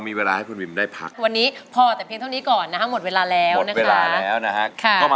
ที่ทำให้คุณวิมนะครับก้าวผ่านมาได้นะครับ